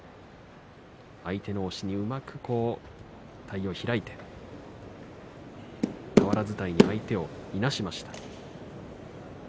相手の押しに、うまく体を開いて俵伝いに相手をいなしました。